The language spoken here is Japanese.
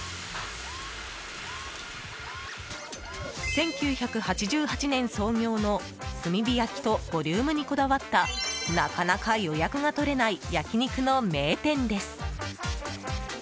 １９８８年創業の、炭火焼きとボリュームにこだわったなかなか予約が取れない焼き肉の名店です。